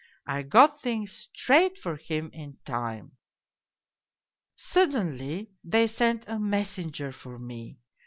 I got things straight for him in time. " Suddenly they sent a messenger for me.